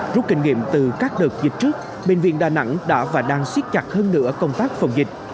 rút kinh nghiệm từ các đợt dịch trước bệnh viện đà nẵng đã và đang siết chặt hơn nữa công tác phòng dịch